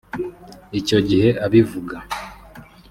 ” Icyo gihe abivuga